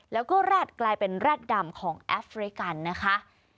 แล้วก็แร็ดกลายเป็นแร็ดดำของแอฟริกันนะคะ